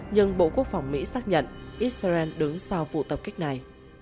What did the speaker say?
nhưng bộ quốc phòng mỹ xác nhận israel đứng sau vụ tập kích này